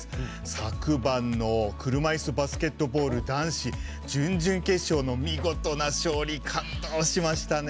昨晩の車いすバスケットボール男子準々決勝の見事な勝利感動しましたね。